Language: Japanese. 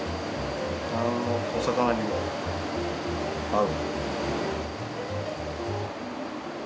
お魚にもあう。